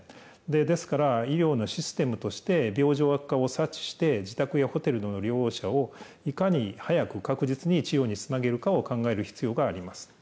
ですから、医療のシステムとして、病状悪化を察知して、自宅やホテルの療養者をいかに早く確実に治癒につなげるかを考える必要があります。